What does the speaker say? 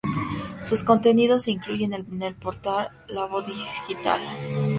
Sus contenidos se incluyen en el portal "lavozdigital.es".